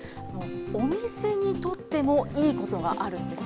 お店にとってもいいことがあるんです。